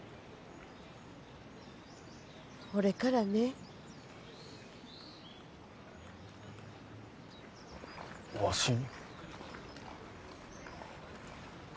ほれからねわしに？